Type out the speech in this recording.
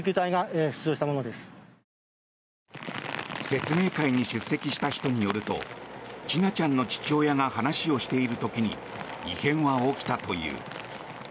説明会に出席した人によると千奈ちゃんの父親が話をしている時に異変は起きたという。